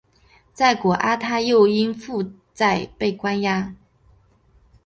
在果阿他又因负债被关押。